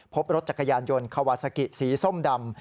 พบรถจักรยานยนต์คาวาซากิสีส้มดำ